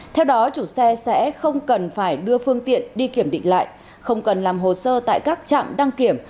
theo đó chủ xe sẽ không cần phải đưa phương tiện đi kiểm định lại không cần làm hồ sơ tại các trạm đăng kiểm